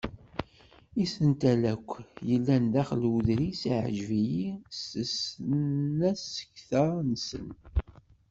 Isental akk yellan daxel n uḍris ɛejven-iyi s tesnakta-nsen.